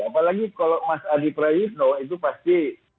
apalagi kalau mas adi prayitno itu pasti